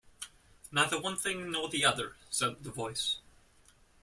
"Neither one thing nor the other," said the Voice.